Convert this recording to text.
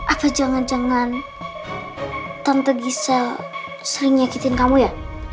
apa jangan jangan tante gisel sering nyakitin kamu ya